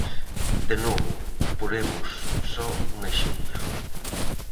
De novo, poremos só un exemplo.